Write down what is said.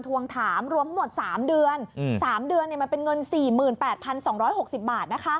ทวงถามรวมหมดสามเดือนสามเดือนเนี้ยมันเป็นเงินสี่หมื่นแปดพันสองร้อยหกสิบบาทนะคะ